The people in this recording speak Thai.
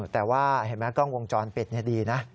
แต่ว่าเห็นไหมกล้องวงจรปิดดีนะ